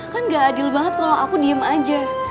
kan gak adil banget kalau aku diem aja